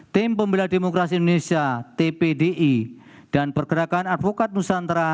tim pembela demokrasi indonesia tpdi dan pergerakan advokat nusantara